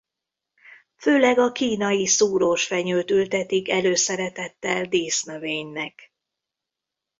Főleg a kínai szúrósfenyőt ültetik előszeretettel dísznövénynek.